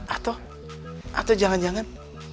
atau atau jangan jangan